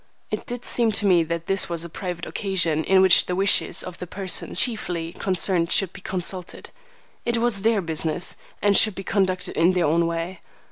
It did seem to me that this was a private occasion in which the wishes of the persons chiefly concerned should be consulted. It was their business and should be conducted in their own way.